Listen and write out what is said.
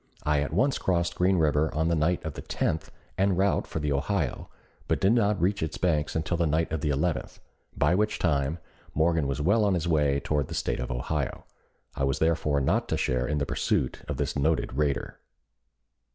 I at once crossed Green River on the night of the 10th en route for the Ohio, but did not reach its banks until the night of the 11th, by which time Morgan was well on his way toward the State of Ohio. I was therefore not to share in the pursuit of this noted raider.